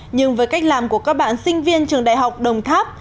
nhưng với cách làm của các bạn sinh viên trường đại học đồng tháp